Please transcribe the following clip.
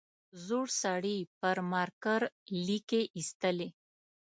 زوړ سړي پر مارکر ليکې ایستلې.